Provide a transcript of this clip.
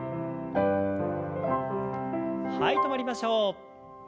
はい止まりましょう。